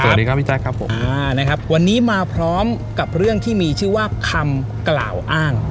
สวัสดีครับพี่แจ๊คครับผมอ่านะครับวันนี้มาพร้อมกับเรื่องที่มีชื่อว่าคำกล่าวอ้าง